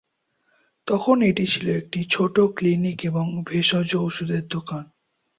তখন এটি ছিল একটি ছোট ক্লিনিক এবং ভেষজ ওষুধের দোকান।